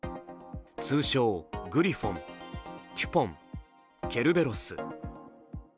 通称グリフォン、テュポン、ケルベロス。